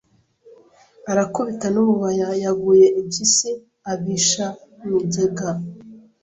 arakubita n’ububaya Yaguye impishyi abisha mu igega